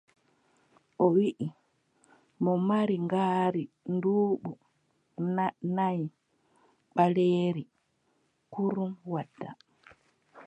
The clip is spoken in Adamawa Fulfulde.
O wiʼi mo mari ngaari duuɓi nayi ɓaleeri kurum wadda.